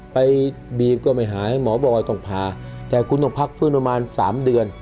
บีบก็ไม่หายหมอบอยต้องพาแต่คุณต้องพักฟื้นประมาณ๓เดือน